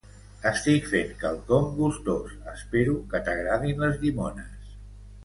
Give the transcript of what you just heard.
Estic fent quelcom gustós, espero que t'agradin les llimones!